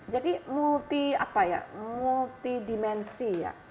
jadi multi apa ya multi dimensi ya